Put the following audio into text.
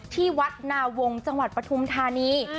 ที่วัดนาวงจังหวัดปฐุมธานี